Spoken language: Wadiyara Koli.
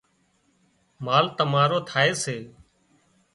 مال متارو ٿائي سي